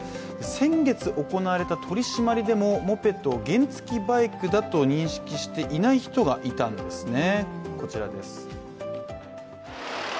先月行われた取り締まりでも、モペットを原付きバイクだと認識していない人がいたんですね。